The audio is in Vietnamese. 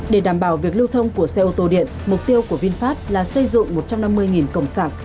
để đảm bảo việc lưu thông của xe ô tô điện mục tiêu của vinfast là xây dựng một trăm năm mươi cổng sạc